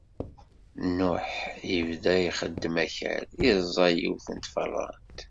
Nuḥ ibda ixeddem akal, iẓẓa yiwet n tfeṛṛant.